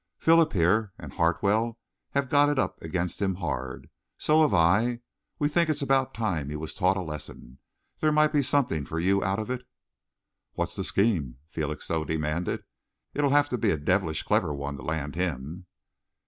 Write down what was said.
"Philip here, and Hartwell, have got it up against him hard. So have I. We think it's about time he was taught a lesson. There might be something for you out of it." "What's the scheme?" Felixstowe demanded. "It'll have to be a devilish clever one to land him."